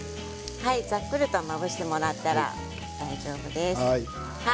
さっくり混ぜてもらったら大丈夫です。